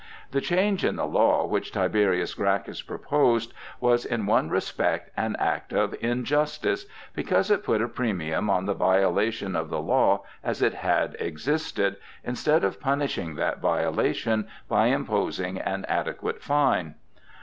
The change in the law which Tiberius Gracchus proposed was in one respect an act of injustice, because it put a premium on the violation of the law as it had existed, instead of punishing that violation by imposing an adequate fine.